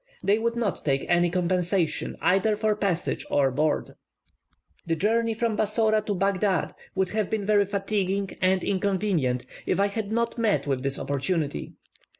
They would not take any compensation either for passage or board. The journey from Bassora to Baghdad would have been very fatiguing and inconvenient if I had not met with this opportunity.